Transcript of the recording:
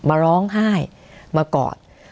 มาร้องไห้มากอด